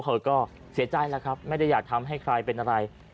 เธอก็เสียใจแล้วครับไม่ได้อยากทำให้ใครเป็นอะไร